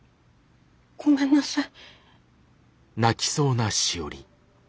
ごめんなさい。